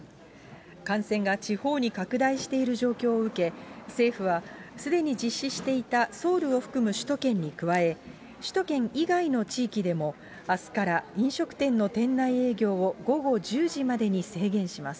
感染が地方に拡大している状況を受け、政府は、すでに実施していたソウルを含む首都圏に加え、首都圏以外の地域でもあすから飲食店の店内営業を午後１０時までに制限します。